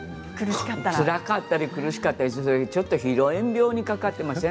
つらかったり苦しかったりするとちょっとヒロイン病にかかっていません？